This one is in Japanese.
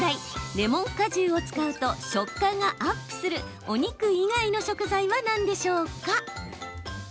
レモン果汁を使うと食感がアップするお肉以外の食材は何でしょうか？